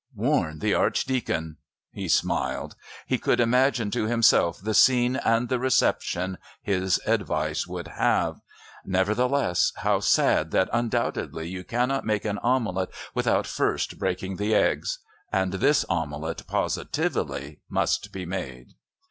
Warn the Archdeacon! He smiled. He could imagine to himself the scene and the reception his advice would have. Nevertheless, how sad that undoubtedly you cannot make an omelette without first breaking the eggs! And this omelette positively must be made!